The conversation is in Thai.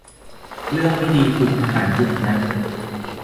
เลือกไม่ดีถูกทหารบุกนะ